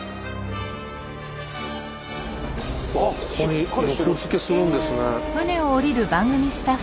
ここに横付けするんですね。